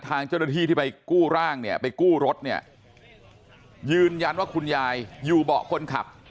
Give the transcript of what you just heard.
ทางเจ้าหน้าที่ที่ไปกู้ร่างเนี่ยไปกู้รถเนี่ยยืนยันว่าคุณยายอยู่เบาะคนขับ